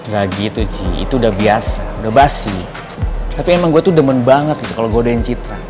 lagi itu sih itu udah biasa udah basi tapi emang gua tuh demen banget kalau goden citra